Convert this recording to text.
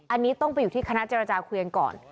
อันนี้ต้องไปอยู่ที่คณะเจรจาคุยกันก่อน